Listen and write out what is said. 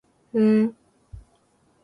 ふーん